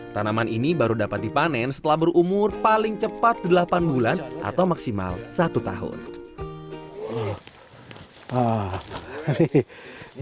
tanaman ini baru dapat dipanen setelah berumur paling cepat delapan bulan atau maksimal satu tahun